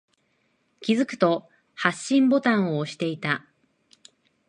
気づくと、発信ボタンを押していた。